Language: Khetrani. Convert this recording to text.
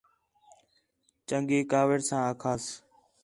چنڳی کاوِڑ ساں آکھاس